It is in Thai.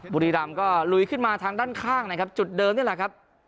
บุรีรำก็ลุยขึ้นมาทางด้านข้างนะครับจุดเดิมนี่แหละครับ